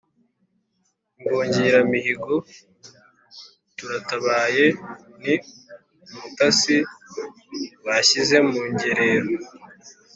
Imbungiramihigo turatabaye ni umutasi bashyize mu ngerero